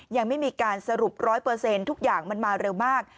ยังไม่มีการสรุป๑๐๐ทุกอย่างมันมาเร็วมาก